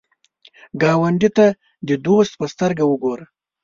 ګاونډي ته د دوست په سترګه وګوره